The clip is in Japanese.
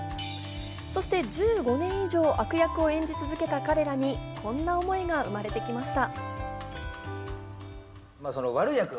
そして１５年以上悪役を演じ続けた彼らにこんな思いが生まれてきました。